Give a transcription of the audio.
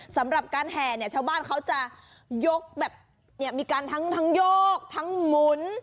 สำหรับการแห่เนี่ยชาวบ้านเขาจะยกแบบเนี่ยมีการทั้งโยกทั้งหมุน